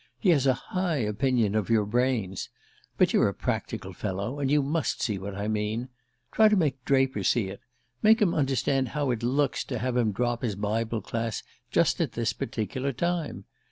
He has a high opinion of your brains. But you're a practical fellow, and you must see what I mean. Try to make Draper see it. Make him understand how it looks to have him drop his Bible Class just at this particular time.